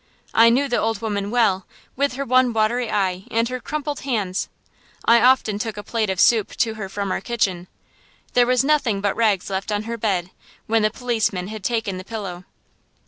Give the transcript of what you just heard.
I knew the old woman well, with her one watery eye and her crumpled hands. I often took a plate of soup to her from our kitchen. There was nothing but rags left on her bed, when the policeman had taken the pillow.